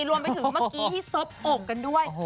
รวมไปถึงเมื่อกี้ที่ซบอกกันด้วย